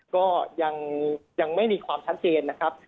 ก็ยังไม่มีความชัดเจนนะครับ